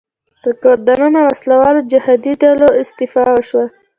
په کور دننه وسله والو جهادي ډلو استفاده وشوه